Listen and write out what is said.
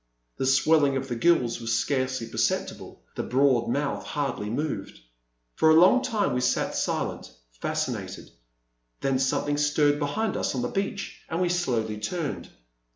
The swelling of the gills was scarcely perceptible, the broad mouth hardly moved. For a long time we sat silent, fascinated ; then something stirred behind us on the beach and we slowly turned.